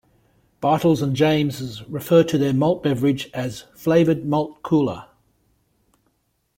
Bartles and Jaymes refers to their malt beverage as a "flavored malt cooler".